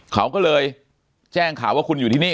เขาก็เลยแจ้งข่าวว่าคุณอยู่ที่นี่